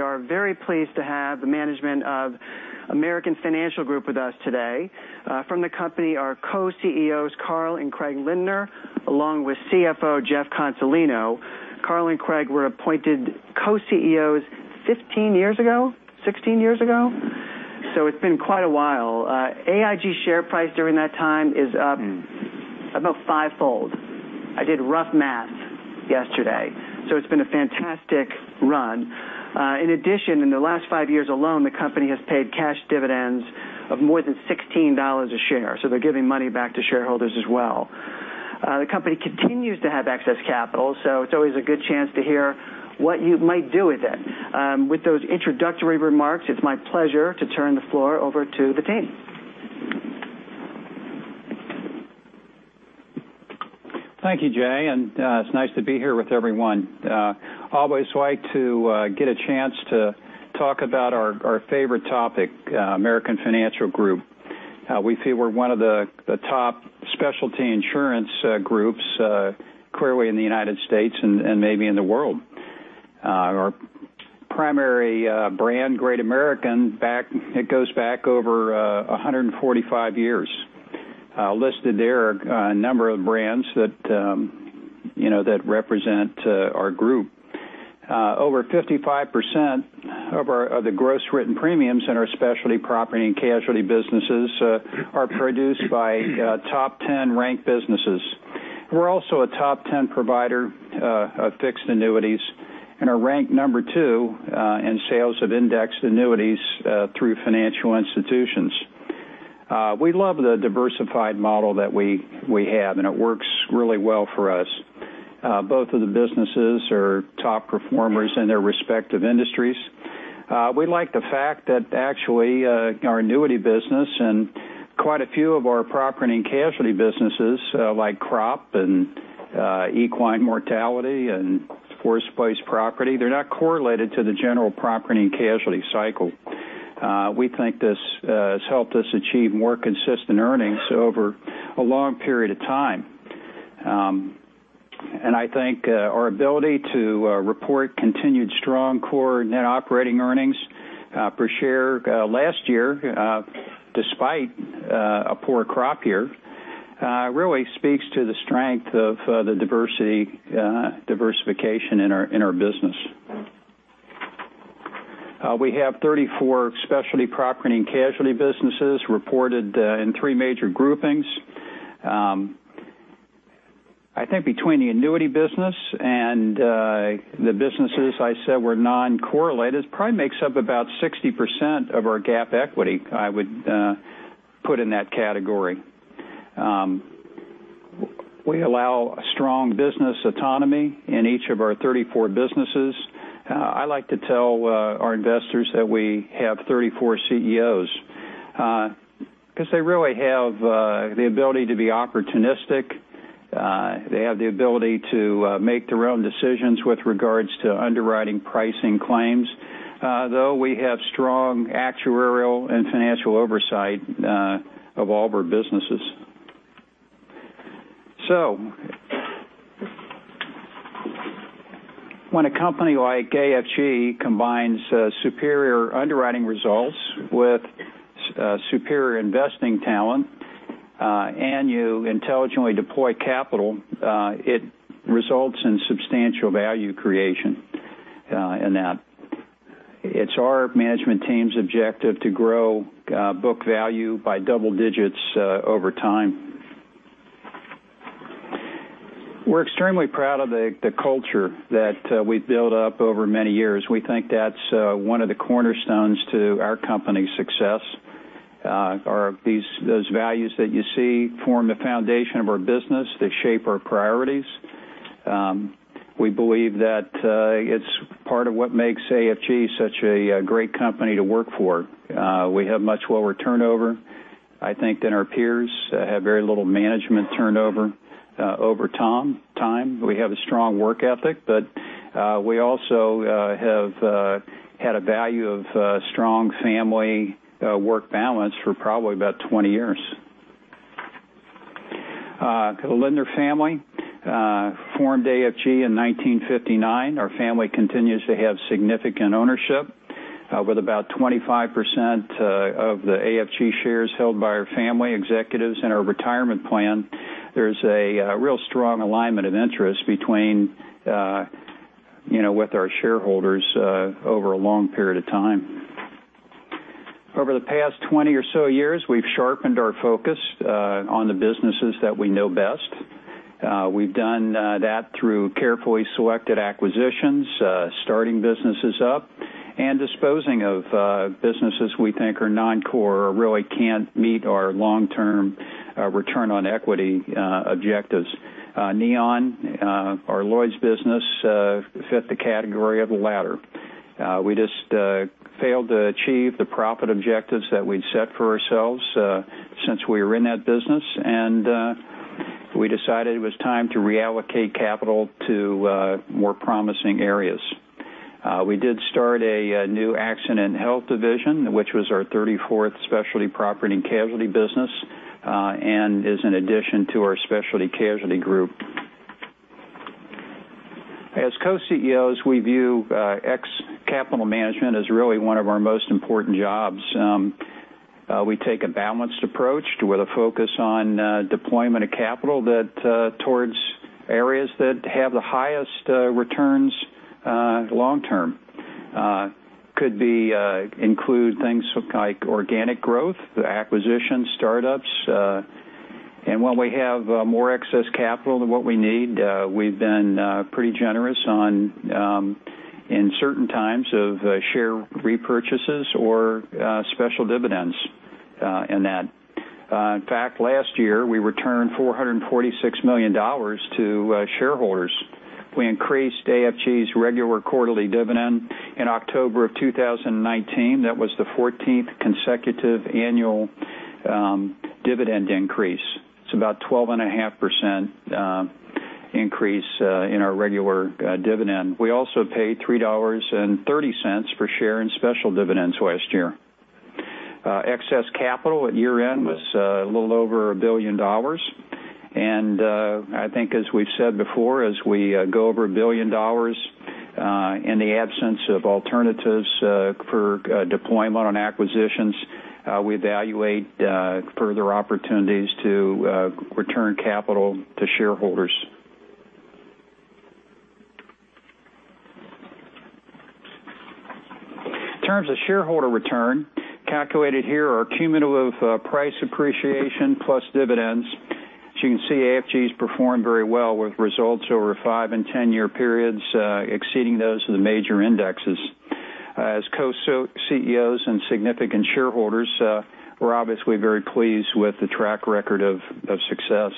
We are very pleased to have the management of American Financial Group with us today. From the company are Co-CEOs, Carl and Craig Lindner, along with CFO Jeff Consolino. Carl and Craig were appointed Co-CEOs 16 years ago. It's been quite a while. AFG share price during that time is up about fivefold. I did rough maths yesterday. It's been a fantastic run. In addition, in the last five years alone, the company has paid cash dividends of more than $16 a share. They're giving money back to shareholders as well. The company continues to have excess capital. It's always a good chance to hear what you might do with it. With those introductory remarks, it's my pleasure to turn the floor over to the team. Thank you, Jay. It's nice to be here with everyone. Always like to get a chance to talk about our favorite topic, American Financial Group. We feel we're one of the top specialty insurance groups, clearly in the U.S. and maybe in the world. Our primary brand, Great American, goes back over 145 years. Listed there are a number of brands that represent our group. Over 55% of the gross written premiums in our specialty P&C businesses are produced by top 10 ranked businesses. We're also a top 10 provider of fixed annuities and are ranked number 2 in sales of indexed annuities through financial institutions. We love the diversified model that we have. It works really well for us. Both of the businesses are top performers in their respective industries. We like the fact that actually our annuity business and quite a few of our P&C businesses like crop and equine mortality and force-placed property, they're not correlated to the general P&C cycle. We think this has helped us achieve more consistent earnings over a long period of time. I think our ability to report continued strong core net operating EPS last year despite a poor crop year really speaks to the strength of the diversification in our business. We have 34 specialty P&C businesses reported in three major groupings. I think between the annuity business and the businesses I said were non-correlated probably makes up about 60% of our GAAP equity I would put in that category. We allow strong business autonomy in each of our 34 businesses. I like to tell our investors that we have 34 CEOs because they really have the ability to be opportunistic. They have the ability to make their own decisions with regards to underwriting pricing claims. Though we have strong actuarial and financial oversight of all of our businesses. When a company like AFG combines superior underwriting results with superior investing talent, you intelligently deploy capital. It results in substantial value creation in that. It's our management team's objective to grow book value by double digits over time. We're extremely proud of the culture that we've built up over many years. We think that's one of the cornerstones to our company's success are those values that you see form the foundation of our business. They shape our priorities. We believe that it's part of what makes AFG such a great company to work for. We have much lower turnover, I think, than our peers, have very little management turnover over time. We have a strong work ethic, but we also have had a value of strong family work balance for probably about 20 years. The Lindner family formed AFG in 1959. Our family continues to have significant ownership with about 25% of the AFG shares held by our family executives in our retirement plan. There's a real strong alignment of interest with our shareholders over a long period of time. Over the past 20 or so years, we've sharpened our focus on the businesses that we know best. We've done that through carefully selected acquisitions, starting businesses up, and disposing of businesses we think are non-core or really can't meet our long-term return on equity objectives. Neon, our Lloyd's business, fit the category of the latter. We just failed to achieve the profit objectives that we'd set for ourselves since we were in that business. We decided it was time to reallocate capital to more promising areas. We did start a new accident health division, which was our 34th specialty property and casualty business, and is an addition to our specialty casualty group. As co-CEOs, we view ex capital management as really one of our most important jobs. We take a balanced approach with a focus on deployment of capital towards areas that have the highest returns long-term. Could include things like organic growth, acquisitions, startups, and when we have more excess capital than what we need, we've been pretty generous in certain times of share repurchases or special dividends in that. In fact, last year, we returned $446 million to shareholders. We increased AFG's regular quarterly dividend in October of 2019. That was the 14th consecutive annual dividend increase. It's about 12.5% increase in our regular dividend. We also paid $3.30 per share in special dividends last year. Excess capital at year-end was a little over $1 billion. I think as we've said before, as we go over $1 billion, in the absence of alternatives for deployment on acquisitions, we evaluate further opportunities to return capital to shareholders. In terms of shareholder return, calculated here are cumulative price appreciation plus dividends. As you can see, AFG's performed very well with results over five and 10-year periods exceeding those of the major indexes. As co-CEOs and significant shareholders, we're obviously very pleased with the track record of success.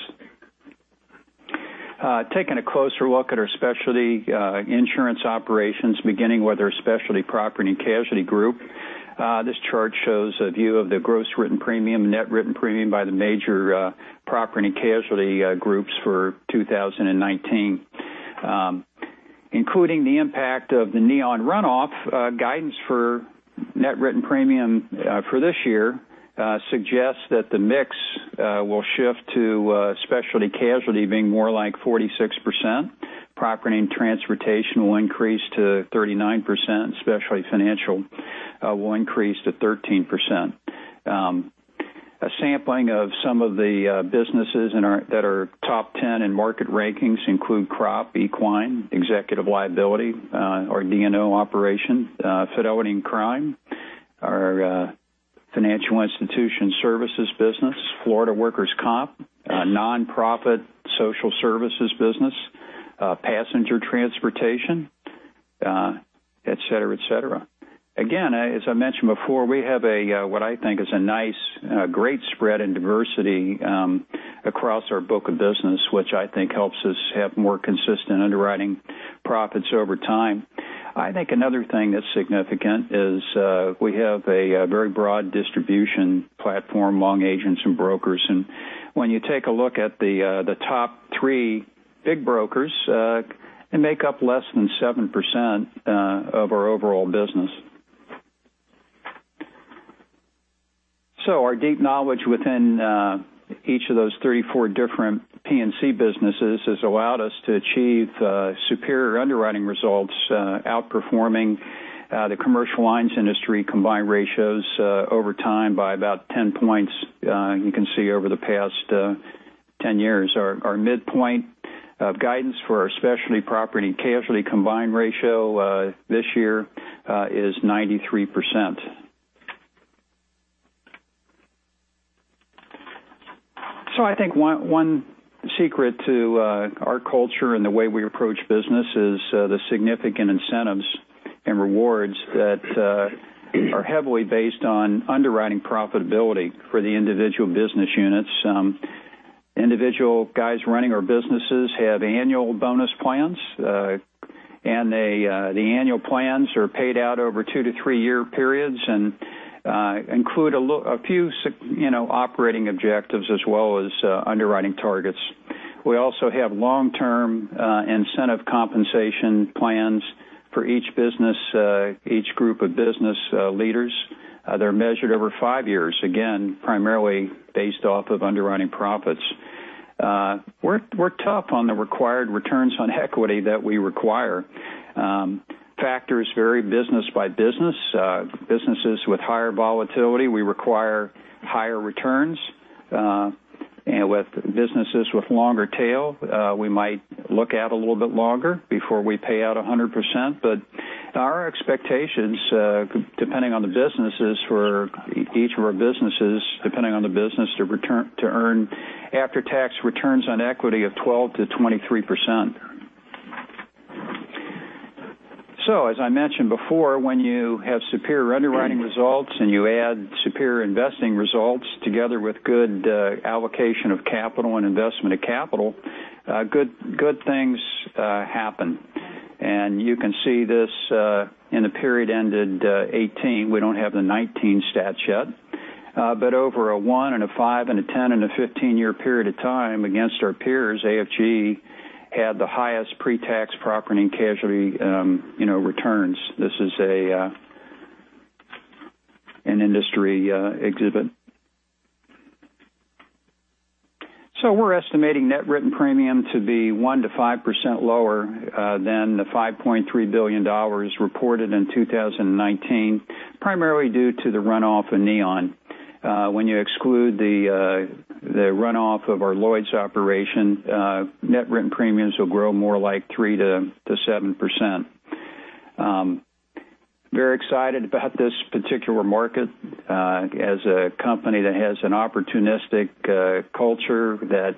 Taking a closer look at our specialty insurance operations, beginning with our specialty property and casualty group. This chart shows a view of the gross written premium, net written premium by the major property and casualty groups for 2019. Including the impact of the Neon runoff, guidance for net written premium for this year suggests that the mix will shift to specialty casualty being more like 46%, property and transportation will increase to 39%, specialty financial will increase to 13%. A sampling of some of the businesses that are top 10 in market rankings include crop, equine, executive liability, our D&O operation, fidelity and crime, our financial institution services business, Florida workers' comp, nonprofit social services business, passenger transportation, et cetera. As I mentioned before, we have what I think is a nice great spread in diversity across our book of business, which I think helps us have more consistent underwriting profits over time. I think another thing that's significant is we have a very broad distribution platform among agents and brokers. When you take a look at the top three big brokers, they make up less than 7% of our overall business. Our deep knowledge within each of those 34 different P&C businesses has allowed us to achieve superior underwriting results, outperforming the commercial lines industry combined ratios over time by about 10 points you can see over the past 10 years. Our midpoint of guidance for our specialty property and casualty combined ratio this year is 93%. I think one secret to our culture and the way we approach business is the significant incentives and rewards that are heavily based on underwriting profitability for the individual business units. Individual guys running our businesses have annual bonus plans, and the annual plans are paid out over 2 to 3-year periods and include a few operating objectives as well as underwriting targets. We also have long-term incentive compensation plans for each group of business leaders. They're measured over five years, again, primarily based off of underwriting profits. We're tough on the required returns on equity that we require. Factors vary business by business. Businesses with higher volatility, we require higher returns. With businesses with longer tail, we might look out a little bit longer before we pay out 100%. Our expectations, depending on the businesses for each of our businesses, depending on the business to earn after-tax returns on equity of 12%-23%. As I mentioned before, when you have superior underwriting results and you add superior investing results together with good allocation of capital and investment of capital, good things happen. You can see this in the period ended 2018. We don't have the 2019 stats yet. Over a one and a five and a 10 and a 15-year period of time against our peers, AFG had the highest pre-tax property and casualty returns. This is an industry exhibit. We're estimating net written premium to be 1%-5% lower than the $5.3 billion reported in 2019, primarily due to the runoff in Neon. When you exclude the runoff of our Lloyd's operation, net written premiums will grow more like 3%-7%. Very excited about this particular market as a company that has an opportunistic culture that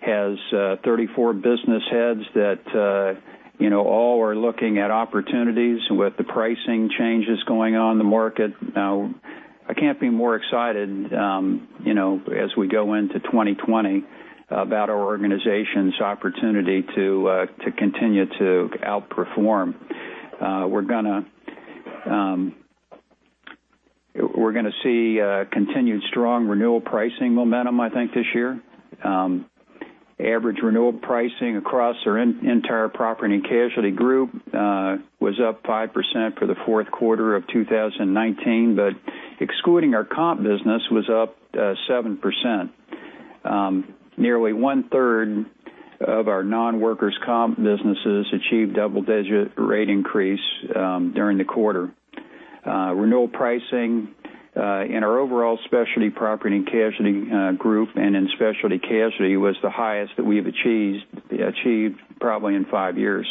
has 34 business heads that all are looking at opportunities with the pricing changes going on in the market now. I can't be more excited as we go into 2020 about our organization's opportunity to continue to outperform. We're going to see continued strong renewal pricing momentum, I think, this year. Average renewal pricing across our entire property and casualty group was up 5% for the fourth quarter of 2019. Excluding our comp business, was up 7%. Nearly one-third of our non-workers' comp businesses achieved double-digit rate increase during the quarter. Renewal pricing in our overall specialty property and casualty group and in specialty casualty was the highest that we have achieved probably in five years.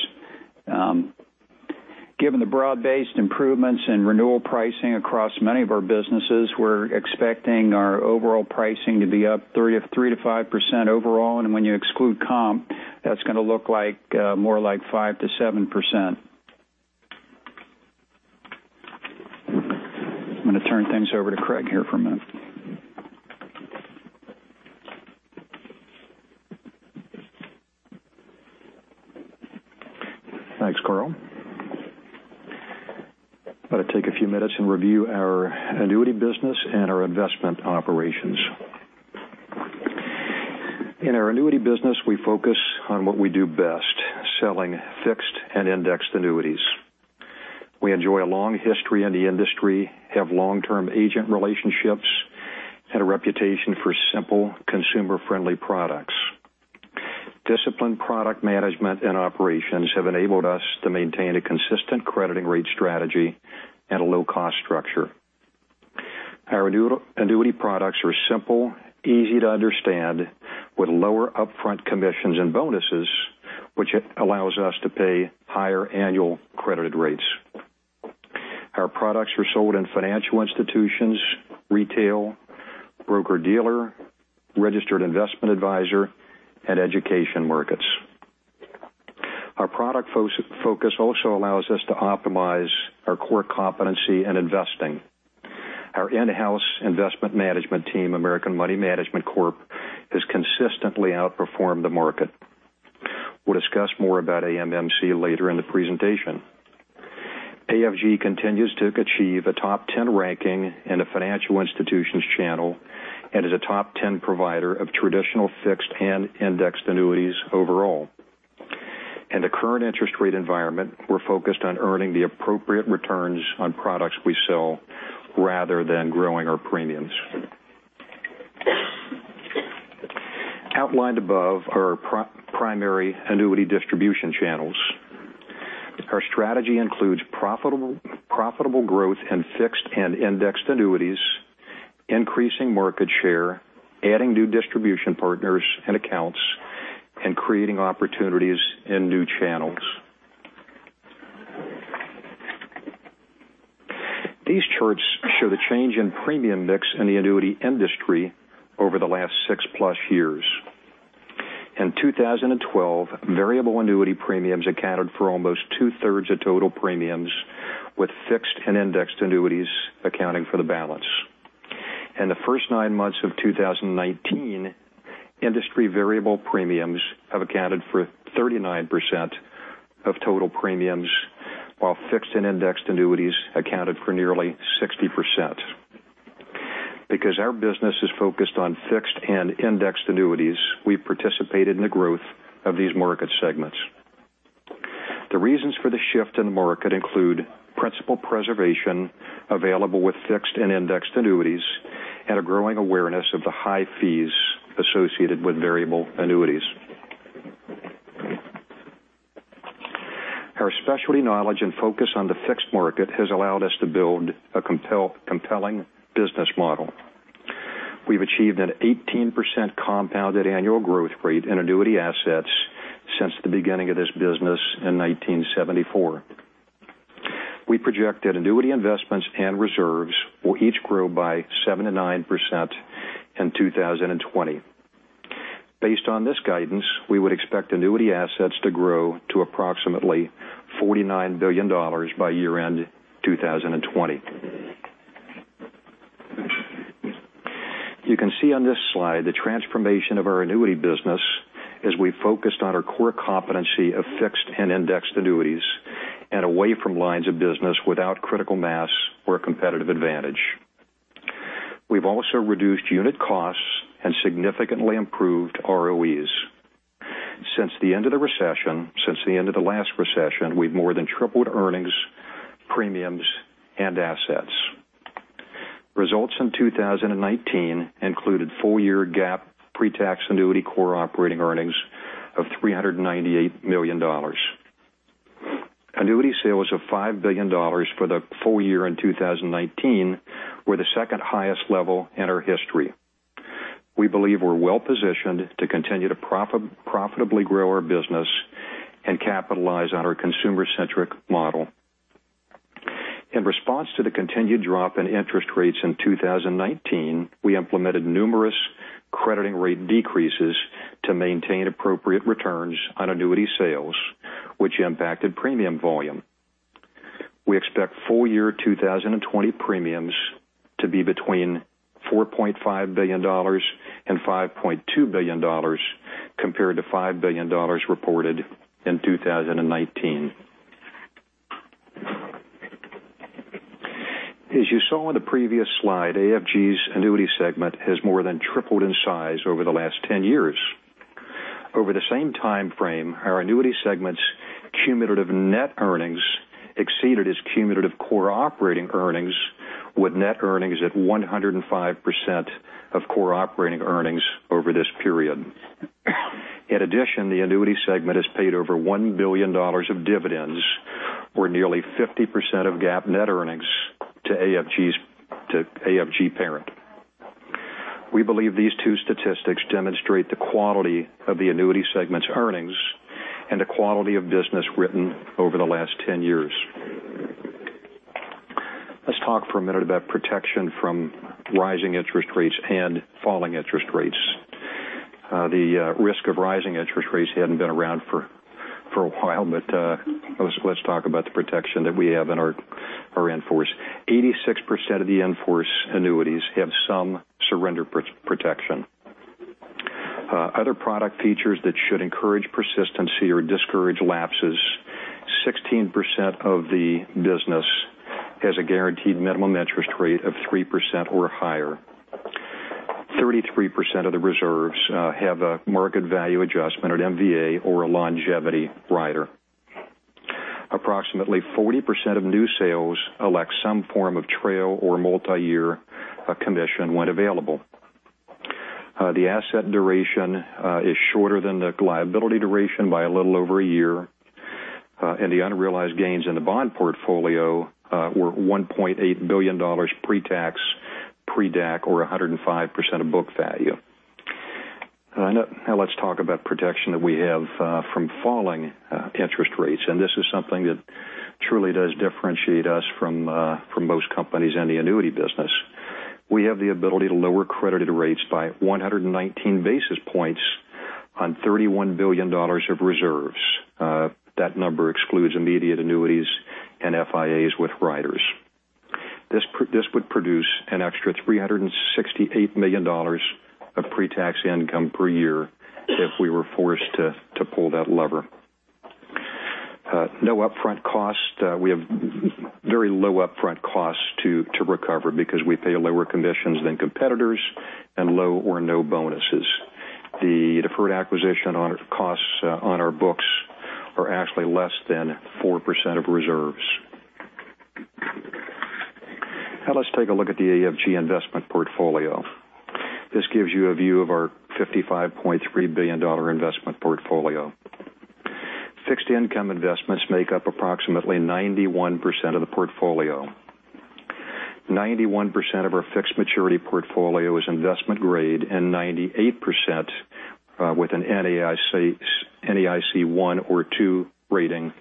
Given the broad-based improvements in renewal pricing across many of our businesses, we're expecting our overall pricing to be up 3%-5% overall, and when you exclude comp, that's going to look more like 5%-7%. I'm going to turn things over to Craig here for a minute. Thanks, Carl. I'm going to take a few minutes and review our annuity business and our investment operations. In our annuity business, we focus on what we do best, selling Fixed Indexed Annuities. We enjoy a long history in the industry, have long-term agent relationships, and a reputation for simple, consumer-friendly products. Disciplined product management and operations have enabled us to maintain a consistent crediting rate strategy at a low cost structure. Our annuity products are simple, easy to understand, with lower upfront commissions and bonuses, which allows us to pay higher annual credited rates. Our products are sold in financial institutions, retail, broker-dealer, registered investment advisor, and education markets. Our product focus also allows us to optimize our core competency in investing. Our in-house investment management team, American Money Management Corporation, has consistently outperformed the market. We'll discuss more about AMMC later in the presentation. AFG continues to achieve a top 10 ranking in the financial institutions channel and is a top 10 provider of traditional Fixed Indexed Annuities overall. In the current interest rate environment, we're focused on earning the appropriate returns on products we sell rather than growing our premiums. Outlined above are our primary annuity distribution channels. Our strategy includes profitable growth in Fixed Indexed Annuities, increasing market share, adding new distribution partners and accounts, and creating opportunities in new channels. These charts show the change in premium mix in the annuity industry over the last six-plus years. In 2012, variable annuity premiums accounted for almost two-thirds of total premiums, with Fixed Indexed Annuities accounting for the balance. In the first nine months of 2019, industry variable premiums have accounted for 39% of total premiums, while Fixed Indexed Annuities accounted for nearly 60%. Because our business is focused on Fixed Indexed Annuities, we participated in the growth of these market segments. The reasons for the shift in the market include principal preservation available with Fixed Indexed Annuities and a growing awareness of the high fees associated with variable annuities. Our specialty knowledge and focus on the fixed market has allowed us to build a compelling business model. We've achieved an 18% compounded annual growth rate in annuity assets since the beginning of this business in 1974. We project that annuity investments and reserves will each grow by 7%-9% in 2020. Based on this guidance, we would expect annuity assets to grow to approximately $49 billion by year-end 2020. You can see on this slide the transformation of our annuity business as we focused on our core competency of fixed and indexed annuities and away from lines of business without critical mass or competitive advantage. We've also reduced unit costs and significantly improved ROEs. Since the end of the last recession, we've more than tripled earnings, premiums, and assets. Results in 2019 included full-year GAAP pre-tax annuity core operating earnings of $398 million. Annuity sales of $5 billion for the full year in 2019 were the second highest level in our history. We believe we're well-positioned to continue to profitably grow our business and capitalize on our consumer-centric model. In response to the continued drop in interest rates in 2019, we implemented numerous crediting rate decreases to maintain appropriate returns on annuity sales, which impacted premium volume. We expect full-year 2020 premiums to be between $4.5 billion and $5.2 billion, compared to $5 billion reported in 2019. As you saw on the previous slide, AFG's annuity segment has more than tripled in size over the last 10 years. Over the same time frame, our annuity segment's cumulative net earnings exceeded its cumulative core operating earnings, with net earnings at 105% of core operating earnings over this period. In addition, the annuity segment has paid over $1 billion of dividends or nearly 50% of GAAP net earnings to AFG parent. We believe these two statistics demonstrate the quality of the annuity segment's earnings and the quality of business written over the last 10 years. Let's talk for a minute about protection from rising interest rates and falling interest rates. The risk of rising interest rates hadn't been around for a while, but let's talk about the protection that we have in our in-force. 86% of the in-force annuities have some surrender protection. Other product features that should encourage persistency or discourage lapses, 16% of the business has a guaranteed minimum interest rate of 3% or higher. 33% of the reserves have a market value adjustment or MVA or a longevity rider. Approximately 40% of new sales elect some form of trail or multi-year commission when available. The asset duration is shorter than the liability duration by a little over a year. The unrealized gains in the bond portfolio were $1.8 billion pre-tax, pre-DAC or 105% of book value. Now let's talk about protection that we have from falling interest rates, and this is something that truly does differentiate us from most companies in the annuity business. We have the ability to lower credited rates by 119 basis points on $31 billion of reserves. That number excludes immediate annuities and FIAs with riders. This would produce an extra $368 million of pre-tax income per year if we were forced to pull that lever. No upfront cost. We have very low upfront costs to recover because we pay lower commissions than competitors and low or no bonuses. The deferred acquisition costs on our books are actually less than 4% of reserves. Now let's take a look at the AFG investment portfolio. This gives you a view of our $55.3 billion investment portfolio. Fixed income investments make up approximately 91% of the portfolio. 91% of our fixed maturity portfolio is investment-grade, and 98% with an NAIC 1 or 2 rating,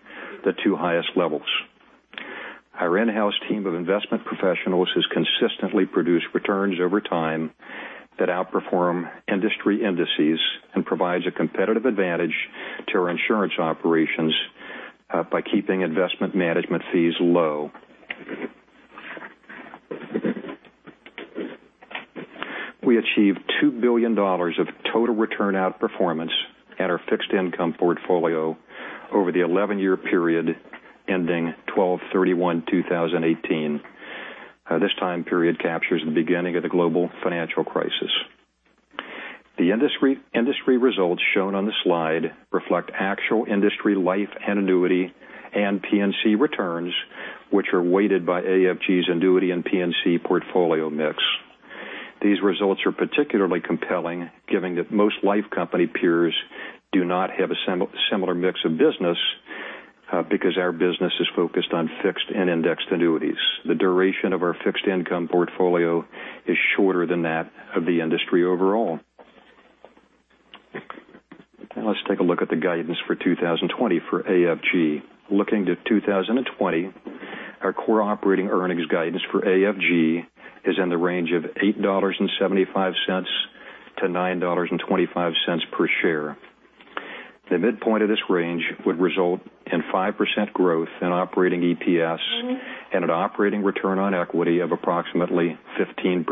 the two highest levels. Our in-house team of investment professionals has consistently produced returns over time that outperform industry indices and provides a competitive advantage to our insurance operations by keeping investment management fees low. We achieved $2 billion of total return outperformance at our fixed income portfolio over the 11-year period ending 12/31/2018. This time period captures the beginning of the global financial crisis. The industry results shown on the slide reflect actual industry life and annuity and P&C returns, which are weighted by AFG's annuity and P&C portfolio mix. These results are particularly compelling given that most life company peers do not have a similar mix of business because our business is focused on Fixed Indexed Annuities. The duration of our fixed income portfolio is shorter than that of the industry overall. Let's take a look at the guidance for 2020 for AFG. Looking to 2020, our core operating earnings guidance for AFG is in the range of $8.75-$9.25 per share. The midpoint of this range would result in 5% growth in operating EPS and an operating return on equity of approximately 15%.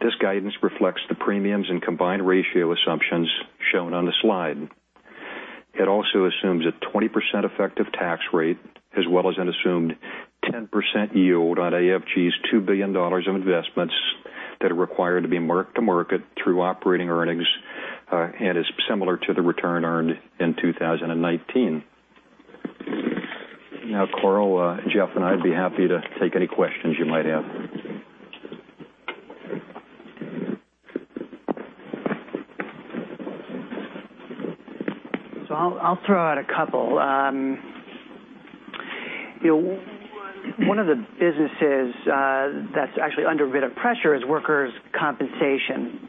This guidance reflects the premiums and combined ratio assumptions shown on the slide. It also assumes a 20% effective tax rate, as well as an assumed 10% yield on AFG's $2 billion of investments that are required to be marked to market through operating earnings, and is similar to the return earned in 2019. Carl, Jeff, and I'd be happy to take any questions you might have. I'll throw out a couple. One of the businesses that's actually under a bit of pressure is workers' compensation.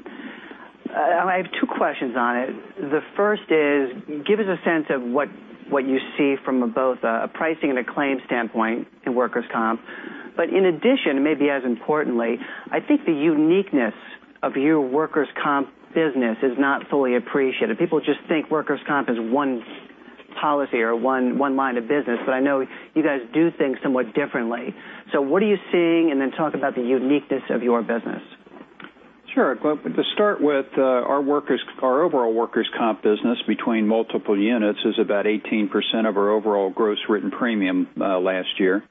I have two questions on it. The first is, give us a sense of what you see from both a pricing and a claims standpoint in workers' comp. In addition, maybe as importantly, I think the uniqueness of your workers' comp business is not fully appreciated. People just think workers' comp as one policy or one line of business, I know you guys do things somewhat differently. What are you seeing? Talk about the uniqueness of your business. Sure. Well, to start with, our overall workers' comp business between multiple units is about 18% of our overall gross written premium last year.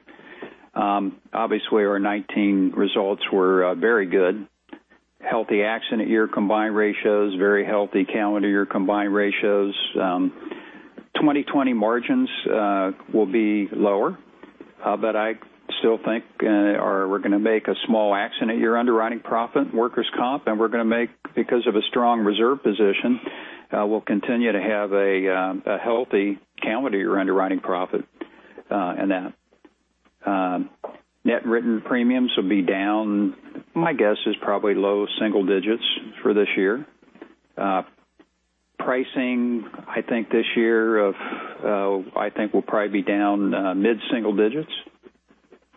Obviously, our 2019 results were very good. Healthy accident year combined ratios, very healthy calendar year combined ratios. 2020 margins will be lower, but I still think we're going to make a small accident year underwriting profit in workers' comp, and because of a strong reserve position, we'll continue to have a healthy calendar year underwriting profit in that. Net written premiums will be down, my guess is probably low single digits for this year. Pricing, I think this year will probably be down mid-single digits.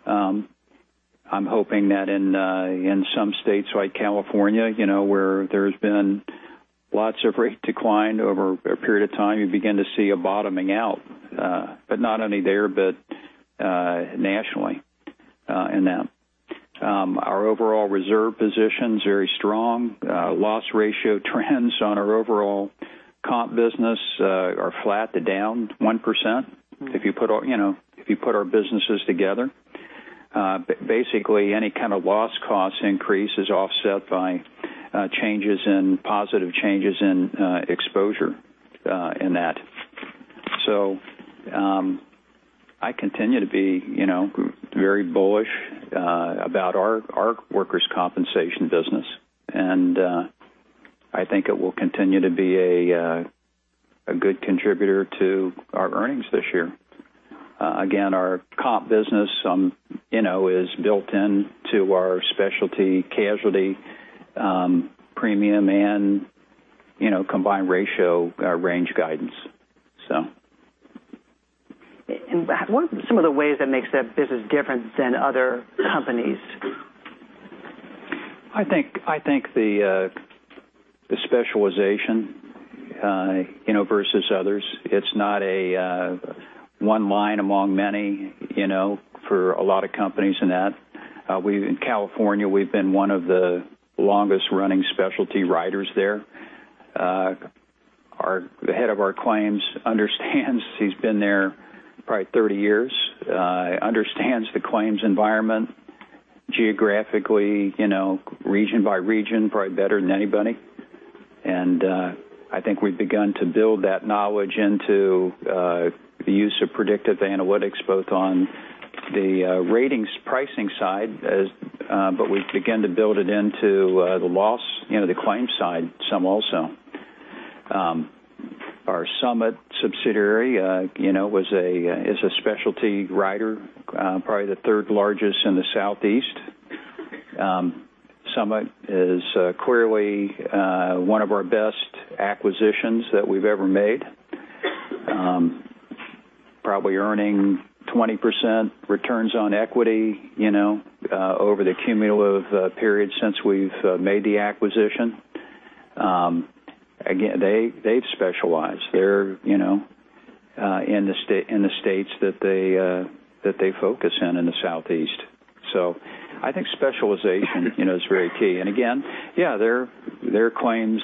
I'm hoping that in some states, like California, where there's been lots of rate decline over a period of time, you begin to see a bottoming out, but not only there, but nationally in them. Our overall reserve position's very strong. Loss ratio trends on our overall comp business are flat to down 1%, if you put our businesses together. Basically, any kind of loss cost increase is offset by positive changes in exposure in that. I continue to be very bullish about our workers' compensation business, and I think it will continue to be a good contributor to our earnings this year. Again, our comp business is built into our specialty casualty premium and combined ratio range guidance. What are some of the ways that makes that business different than other companies? I think the specialization versus others. It's not a one line among many for a lot of companies in that. In California, we've been one of the longest-running specialty writers there. The head of our claims understands. He's been there probably 30 years. Understands the claims environment geographically, region by region, probably better than anybody. I think we've begun to build that knowledge into the use of predictive analytics, both on the ratings pricing side, but we've begun to build it into the claims side some also. Our Summit subsidiary is a specialty writer, probably the third largest in the Southeast. Summit is clearly one of our best acquisitions that we've ever made. Probably earning 20% returns on equity over the cumulative period since we've made the acquisition. Again, they've specialized. They're in the states that they focus in the Southeast. I think specialization is very key. Again, yeah, their claims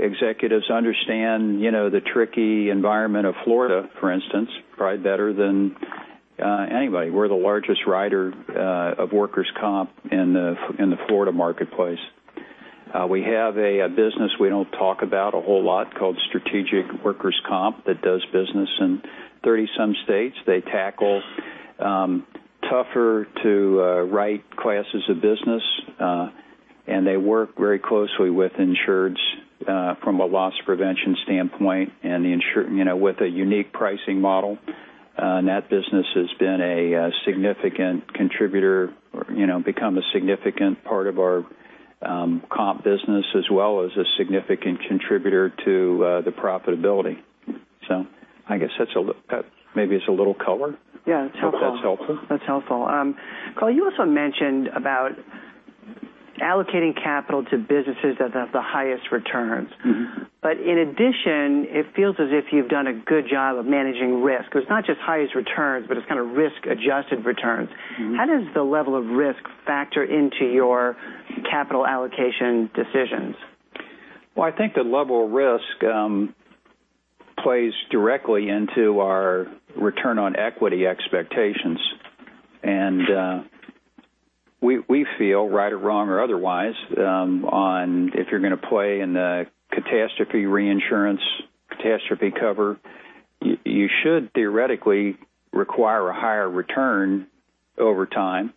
executives understand the tricky environment of Florida, for instance, probably better than anybody. We're the largest writer of workers' comp in the Florida marketplace. We have a business we don't talk about a whole lot called Strategic Comp that does business in 30-some states. They tackle tougher-to-write classes of business, and they work very closely with insureds from a loss prevention standpoint and with a unique pricing model. That business has been a significant contributor or become a significant part of our comp business, as well as a significant contributor to the profitability. I guess maybe it's a little color. Yeah, it's helpful. Hope that's helpful. That's helpful. Carl, you also mentioned about allocating capital to businesses that have the highest returns. In addition, it feels as if you've done a good job of managing risk. It's not just highest returns, but it's kind of risk-adjusted returns. How does the level of risk factor into your capital allocation decisions? Well, I think the level of risk plays directly into our return on equity expectations. We feel, right or wrong or otherwise, if you're going to play in the catastrophe reinsurance, catastrophe cover, you should theoretically require a higher return over time,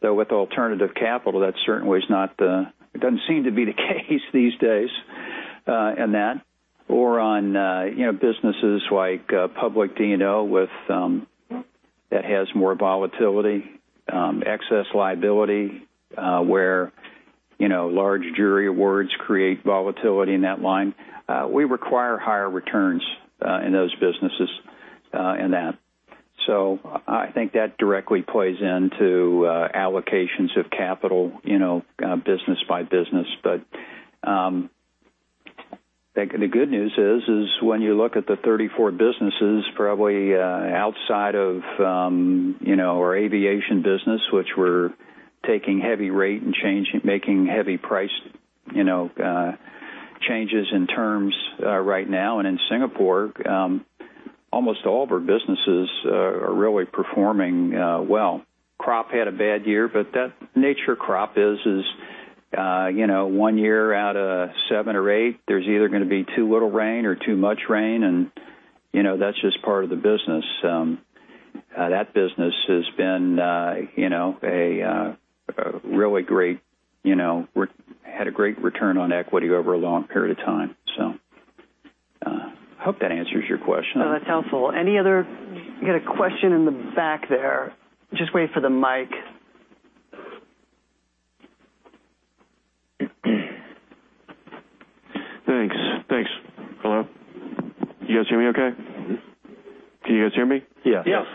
though with alternative capital, that certainly doesn't seem to be the case these days in that. On businesses like public D&O that has more volatility, excess liability, where large jury awards create volatility in that line. We require higher returns in those businesses in that. I think that directly plays into allocations of capital, business by business. I think the good news is when you look at the 34 businesses, probably outside of our aviation business, which we're taking heavy rate and making heavy price changes in terms right now, and in Singapore, almost all of our businesses are really performing well. Crop had a bad year, the nature crop is one year out of seven or eight, there's either going to be too little rain or too much rain, and that's just part of the business. That business has had a great return on equity over a long period of time. I hope that answers your question. That's helpful. Any other? We got a question in the back there. Just wait for the mic. Thanks. Hello? Can you guys hear me okay? Can you guys hear me? Yes. Yes.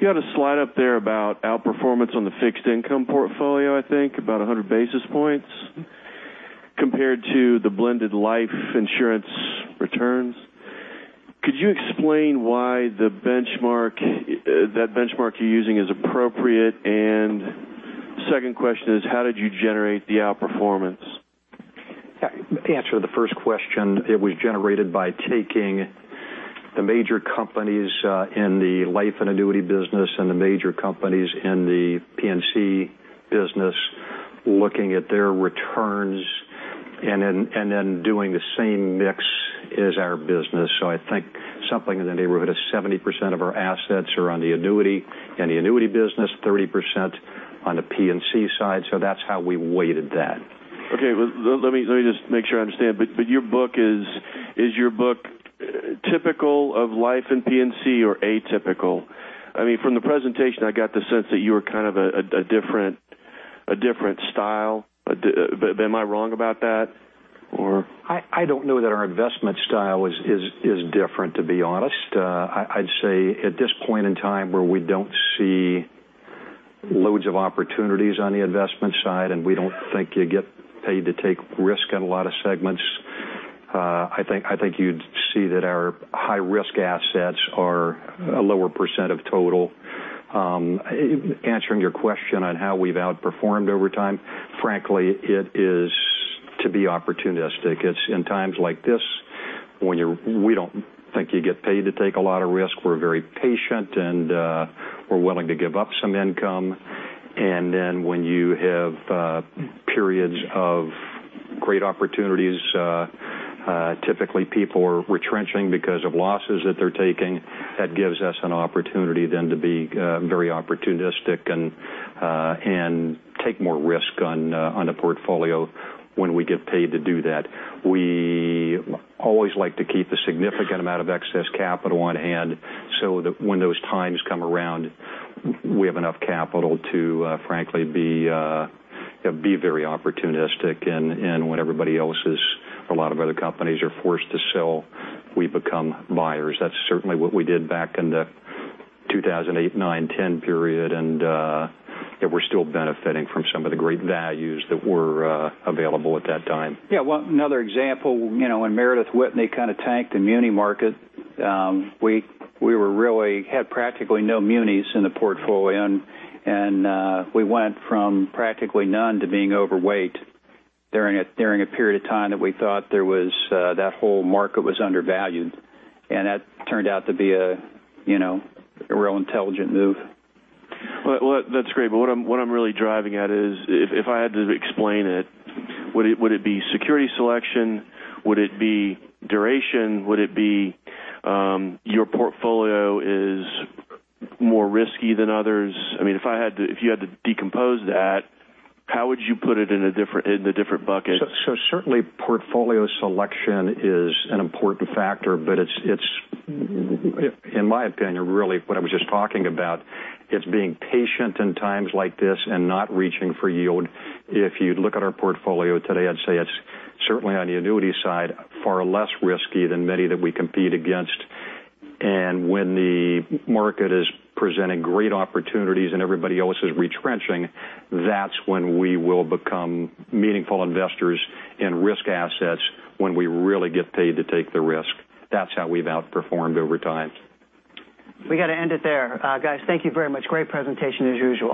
You had a slide up there about outperformance on the fixed income portfolio, I think, about 100 basis points compared to the blended life insurance returns. Could you explain why that benchmark you're using is appropriate? Second question is, how did you generate the outperformance? To answer the first question, it was generated by taking the major companies in the life and annuity business and the major companies in the P&C business, looking at their returns, and then doing the same mix as our business. Something in the neighborhood of 70% of our assets are on the annuity and the annuity business, 30% on the P&C side. That's how we weighted that. Let me just make sure I understand. Is your book typical of life in P&C or atypical? From the presentation, I got the sense that you were kind of a different style. Am I wrong about that, or? I don't know that our investment style is different, to be honest. I'd say at this point in time where we don't see loads of opportunities on the investment side, and we don't think you get paid to take risk in a lot of segments, I think you'd see that our high-risk assets are a lower % of total. Answering your question on how we've outperformed over time, frankly, it is to be opportunistic. It's in times like this when we don't think you get paid to take a lot of risk. We're very patient, and we're willing to give up some income. When you have periods of great opportunities, typically people are retrenching because of losses that they're taking. That gives us an opportunity then to be very opportunistic and take more risk on the portfolio when we get paid to do that. We always like to keep a significant amount of excess capital on hand so that when those times come around, we have enough capital to frankly be very opportunistic. When everybody else is, a lot of other companies are forced to sell, we become buyers. That's certainly what we did back in the 2008, 2009, 2010 period, and we're still benefiting from some of the great values that were available at that time. Yeah. One other example, when Meredith Whitney kind of tanked the muni market, we had practically no munis in the portfolio, and we went from practically none to being overweight during a period of time that we thought that whole market was undervalued. That turned out to be a real intelligent move. That's great. What I'm really driving at is if I had to explain it, would it be security selection? Would it be duration? Would it be your portfolio is more risky than others? If you had to decompose that, how would you put it in the different buckets? Certainly, portfolio selection is an important factor, but in my opinion, really what I was just talking about, it's being patient in times like this and not reaching for yield. If you'd look at our portfolio today, I'd say it's certainly on the annuity side, far less risky than many that we compete against. When the market is presenting great opportunities and everybody else is retrenching, that's when we will become meaningful investors in risk assets when we really get paid to take the risk. That's how we've outperformed over time. We got to end it there. Guys, thank you very much. Great presentation as usual.